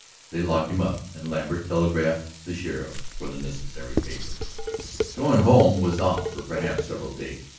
They locked him up, and Lambert telegraphed the sheriff for the necessary papers. Going home was off for perhaps several days.